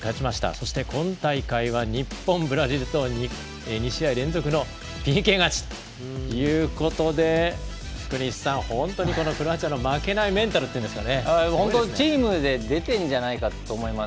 そして今大会は日本、ブラジルと２試合連続のＰＫ勝ちということで福西さん、本当にこのクロアチアの負けない本当、チームで出ているんじゃないかと思います。